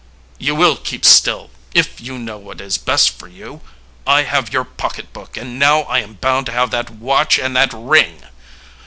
"You will keep still if you know what is best for you. I have your pocketbook, and now I am bound to have that watch and that ring."